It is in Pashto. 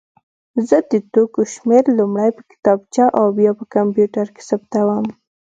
زه د توکو شمېر لومړی په کتابچه او بیا په کمپیوټر کې ثبتوم.